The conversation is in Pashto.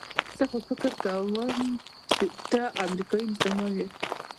زه خو فکر کوم ته امریکایي مسلمانه یې.